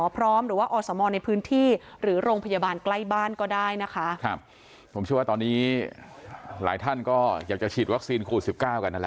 ผมชอบตอนนี้หลายท่านก็อยากจะฉีดวัคซีนคูล๑๙กันนั่นแหละ